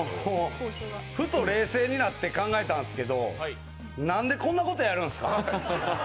ふと冷静になって考えたんですけど、何でこんなことやるんですか。